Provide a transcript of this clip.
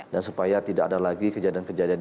dan supaya tidak ada lagi kejadian kejadian